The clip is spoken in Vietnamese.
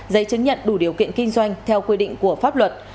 giấy chứng nhận đủ điều kiện kinh doanh theo quy định của pháp luật